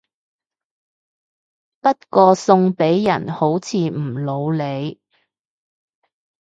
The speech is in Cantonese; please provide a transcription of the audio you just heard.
不過送俾人好似唔老嚟